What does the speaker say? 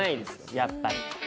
やっぱり。